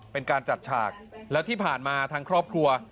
เป็นการจัดฉากแล้วที่ผ่านมาทางครอบครัว